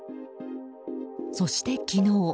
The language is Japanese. そして、昨日。